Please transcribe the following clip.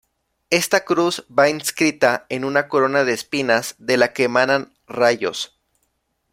Esta cruz va inscrita en una corona de espinas de la que emanan rayos.